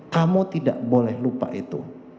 kamu tidak boleh lupa itu